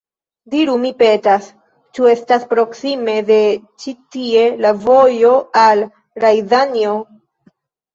Diru, mi petas, ĉu estas proksime de ĉi tie la vojo al Rjazanjo?